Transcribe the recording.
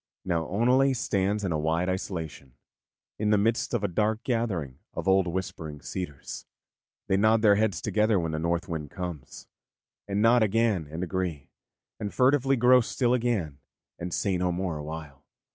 Now Oneleigh stands in a wide isolation, in the midst of a dark gathering of old whispering cedars. They nod their heads together when the North Wind comes, and nod again and agree, and furtively grow still again, and say no more awhile.